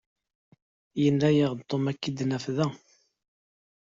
Yenna-yaɣ-d Tom ad k-id-naf da.